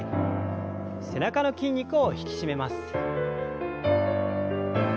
背中の筋肉を引き締めます。